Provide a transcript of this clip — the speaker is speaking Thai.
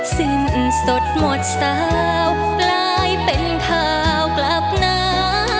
สิ้นสดหมดสาวกลายเป็นข่าวกลับหนา